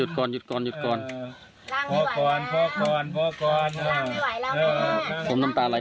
มึงในนิดเดียวมันจะเหนื่อย